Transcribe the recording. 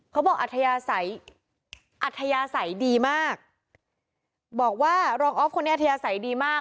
อัธยาศัยอัธยาศัยดีมากบอกว่ารองออฟคนนี้อัธยาศัยดีมาก